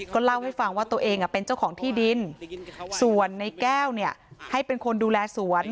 เล่าให้ฟังว่าตัวเองเป็นเจ้าของที่ดินส่วนในแก้วเนี่ยให้เป็นคนดูแลสวน